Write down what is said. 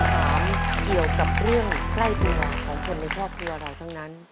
คำถามเกี่ยวกับเรื่องใต้ปิดหน่อยของคนในความเคลียร์เราเท่านั้น